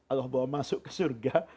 allah bawa masuk ke surga